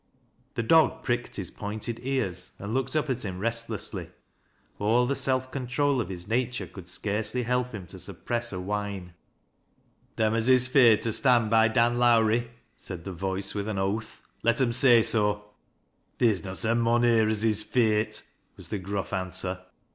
The dog pricked his pointed ears and looked up at him restlessly. All the self control of his nature could scarcely help him tD suppress a whine. " Them as is feared to stand by Dan Lowrie," said tht voice, with an oath, " let 'em say so." " Theer's not a mon here as is feart," was the grufi answer.